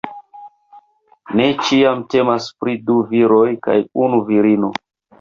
Ne ĉiam temas pri du viroj kaj unu virino.